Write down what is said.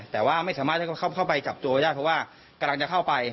แต่ว่าไม่สามารถเข้าไปจับตัวได้เพราะว่ากำลังจะเข้าไป